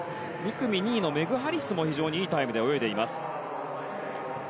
２組２位のメグ・ハリスも非常にいいタイムで泳ぎました。